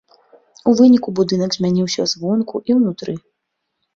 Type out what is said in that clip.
У выніку будынак змяніўся звонку і ўнутры.